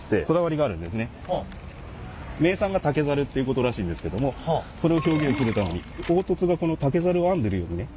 名産が竹ざるっていうことらしいんですけどもそれを表現するために凹凸がこの竹ざるを編んでるようにね。